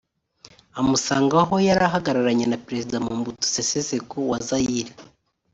amusanga aho yari ahagararanye na Perezida Mobutu Sseseko wa Zaire